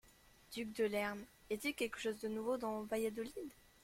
Duc de Lerme, y a-t-il quelque chose de nouveau dans Valladolid ?